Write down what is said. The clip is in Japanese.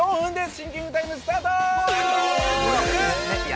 シンキングタイム、スタート！